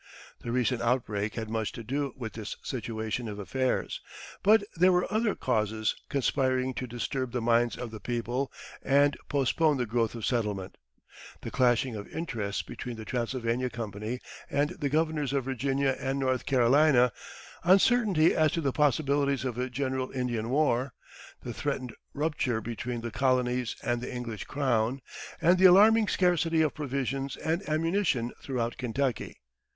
The recent outbreak had much to do with this situation of affairs; but there were other causes conspiring to disturb the minds of the people and postpone the growth of settlement the clashing of interests between the Transylvania Company and the governors of Virginia and North Carolina, uncertainty as to the possibilities of a general Indian war, the threatened rupture between the colonies and the English crown, and the alarming scarcity of provisions and ammunition throughout Kentucky.